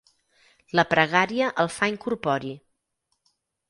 La pregària el fa incorpori.